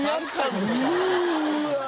うわ。